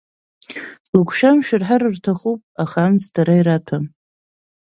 Лыгәшәымшәа рҳәар рҭахуп, аха амц дара ираҭәам.